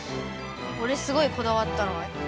おれすごいこだわったのはね